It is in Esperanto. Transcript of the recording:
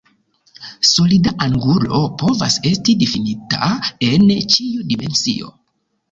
Solida angulo povas esti difinita en ĉiu dimensio.